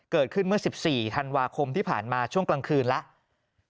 เกิดขึ้นเมื่อ๑๔ธันวาคมที่ผ่านมาช่วงกลางคืนแล้ว